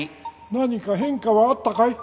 何か変化はあったかい？